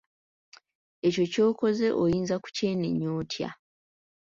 Ekyo ky'okoze oyinza kukyenenya otya?